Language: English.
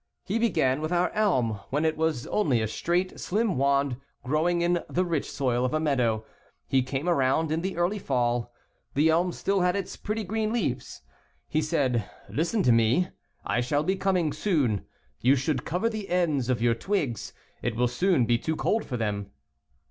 He began with our elm when it was only a straight, slim wand growing in the rich soil of a meadow. He came around in the early fall. The elm still had its pretty green leaves. He said, '* Listen to me. I shall be coming soon. You should cover the ends of your twigs. It will soon be too cold for them."